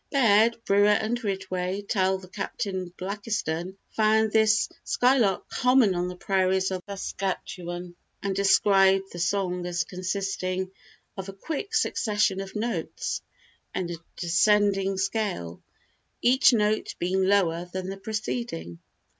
Baird, Brewer and Ridgway tell that Captain Blackiston found this skylark common on the prairies of the Saskatchewan, and described the song as consisting of a quick succession of notes, in a descending scale, each note being lower than the preceding.